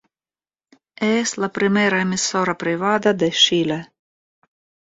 És la primera emissora privada de Xile.